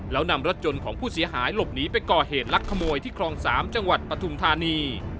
แล้วนำรถยนต์ของผู้เสียหายหลบหนีไปก่อเหตุลักขโมยที่คลอง๓จังหวัดปฐุมธานี